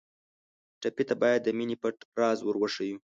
ټپي ته باید د مینې پټ راز ور وښیو.